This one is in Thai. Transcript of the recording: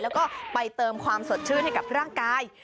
แล้วก็ไปเติมความสดชื่นให้กับร่างกาย